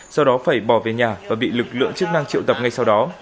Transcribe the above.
sau đó phải bỏ về nhà và bị lực lượng chức năng triệu tập ngay sau đó